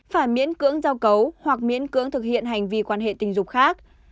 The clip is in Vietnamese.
phải miễn cưỡng giao cấu hoặc miễn cưỡng thực hiện hành vi quan hệ tình dục khác